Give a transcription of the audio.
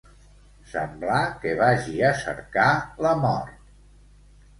Semblar que vagi a cercar la mort.